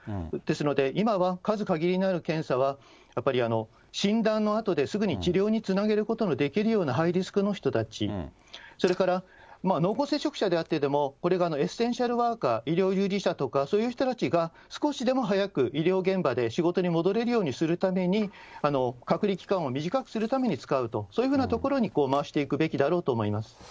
ですので、今は数限りある検査はやっぱり診断のあとですぐに治療につなげることのできるようなハイリスクの人たち、それから濃厚接触者であっても、これがエッセンシャルワーカー、医療従事者とか、そういう人たちが少しでも早く医療現場で仕事に戻れるようにするために、隔離期間を短くするために使うと、そういうふうなところに回していくべきだろうと思います。